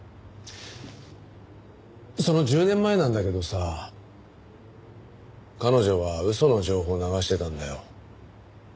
その１０年前なんだけどさ彼女は嘘の情報を流してたんだよ。